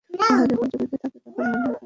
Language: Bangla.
উহা যখন চলিতে থাকে, তখন মনে হয় আকাশই চলিতেছে।